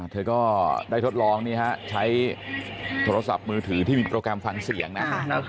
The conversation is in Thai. เธอก็ได้ทดลองใช้โทรศัพท์มือถือที่มีโปรแกรมฟังเสียงนะ